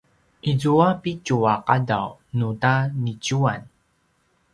izua pitju a qadaw nu ta niciuan